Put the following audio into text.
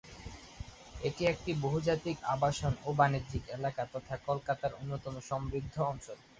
এটি একটি বহুজাতিক আবাসন ও বাণিজ্যিক এলাকা তথা কলকাতার অন্যতম সমৃদ্ধ অঞ্চল।